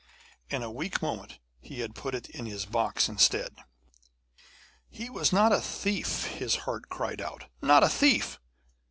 In a weak moment he had put it in his box instead. 'He was not a thief,' his heart cried out, 'not a thief!'